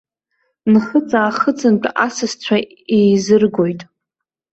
Нхыҵ-аахыҵынтә асасцәа еизыргоит.